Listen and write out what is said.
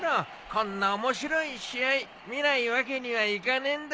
こんな面白い試合見ないわけにはいかねえんだ。